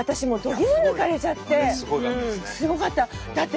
すごかった。